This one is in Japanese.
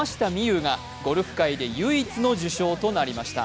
有がゴルフ界で唯一の受賞となりました。